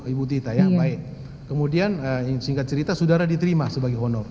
ibu tita ya baik kemudian singkat cerita saudara diterima sebagai honor